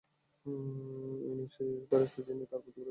ইনি সেই ফেরেশতা, যিনি তার প্রতিপালকের আদেশে শিঙ্গায় তিনটি ফুৎকার দেবেন।